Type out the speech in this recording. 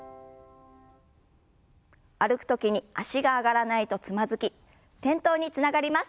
歩く時に脚が上がらないとつまずき転倒につながります。